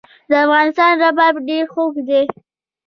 د افغانستان رباب ډیر خوږ دی